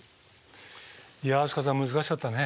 いや飛鳥さん難しかったね。